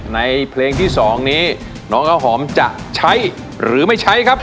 ในเพลงที่๒นี้น้องข้าวหอมจะใช้หรือไม่ใช้ครับ